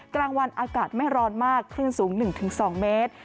กลางวันอากาศไม่ร้อนมากคลื่นสูง๑๒เมตร